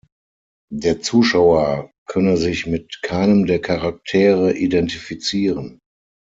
Der Zuschauer könne sich mit keinem der Charaktere identifizieren.